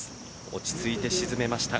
落ち着いて沈めました。